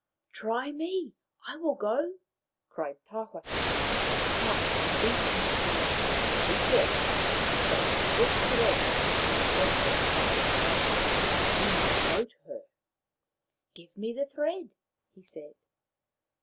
" Try me. I will go !" cried Tawhaki, his heart beating with joy. He guessed that this thread had been sent down by his wife that he might go to her. " Give me the thread," he said.